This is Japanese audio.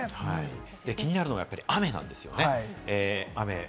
気になるのは雨なんですね。